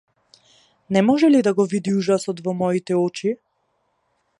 Не може ли да го види ужасот во моите очи?